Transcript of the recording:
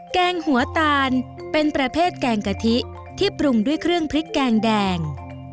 แกงหัวตาลเป็นประเภทแกงกะทิที่ปรุงด้วยเครื่องพริกแกงแดง